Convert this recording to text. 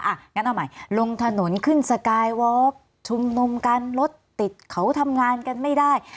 อ่ะงั้นเอาใหม่ลงถนนขึ้นสกายวอล์กชุมนุมกันรถติดเขาทำงานกันไม่ได้